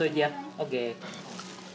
ＯＫ。